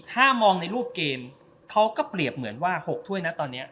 ถ้ามองในรูปเกมเขาก็เปรียบเหมือนว่า๖ถ้วยนะตอนนี้